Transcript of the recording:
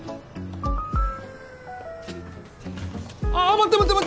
あ待って待って！